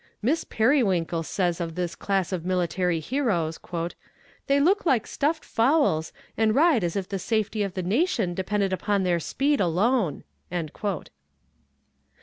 "Miss Periwinkle" says of this class of military heroes: "They look like stuffed fowls, and ride as if the safety of the nation depended upon their speed alone."